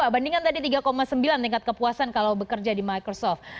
bandingkan tadi tiga sembilan tingkat kepuasan kalau bekerja di microsoft